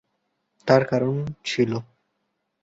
তার কারণ ছিল।